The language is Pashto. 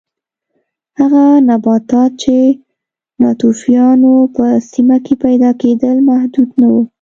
هغه نباتات چې د ناتوفیانو په سیمه کې پیدا کېدل محدود نه و